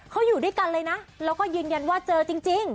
เขาอยู่ด้วยกันเลยนะแล้วก็ยืนยันว่าเจอจริง